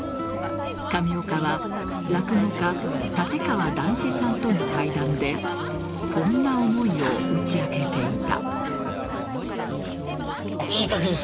上岡は落語家・立川談志さんとの会談でこんな思いを打ち明けていた。